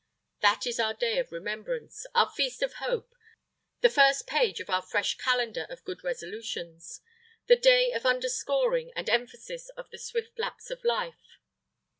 That is our day of remembrance, our feast of hope, the first page of our fresh calendar of good resolutions, the day of underscoring and emphasis of the swift lapse of life.